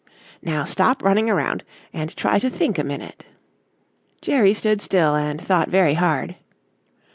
"Now stop running around and try to think a minute." Jerry stood still and thought very hard.